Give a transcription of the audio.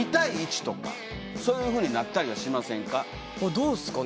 どうっすかね。